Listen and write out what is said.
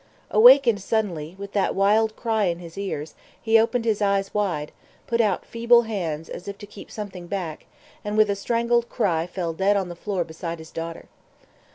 Awakened suddenly, with that wild cry in his ears, he opened his eyes wide, put out feeble hands, as if to keep something back, and with a strangled cry fell dead on the floor beside his daughter.